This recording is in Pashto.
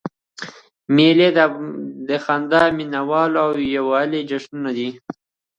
مېلې د خندا، مینوالۍ او یووالي جشنونه دي.